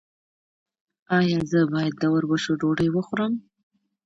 ایا زه باید د وربشو ډوډۍ وخورم؟